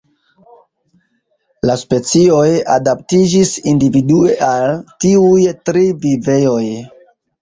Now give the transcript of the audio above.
La specioj adaptiĝis individue al tiuj tri vivejoj.